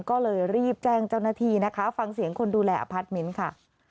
ก็เลยรีบแจ้งเจ้าหน้าที่นะคะฟังเสียงคนดูแลอพาร์ทเมนต์ค่ะ